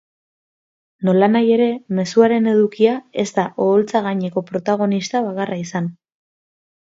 Nolanahi ere, mezuaren edukia ez da oholtza gaineko protagonista bakarra izan.